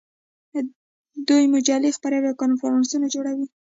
دوی مجلې خپروي او کنفرانسونه جوړوي.